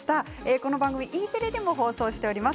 この番組、Ｅテレでも放送しています。